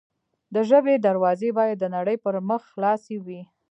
د ژبې دروازې باید د نړۍ پر مخ خلاصې وي.